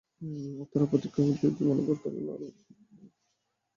তারা তার প্রতিজ্ঞা ও জেদি মনোভাবের কারণে অবাক, হতবুদ্ধি।